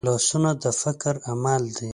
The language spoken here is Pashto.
لاسونه د فکر عمل دي